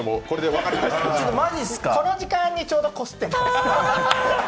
この時間にちょうどこすってる。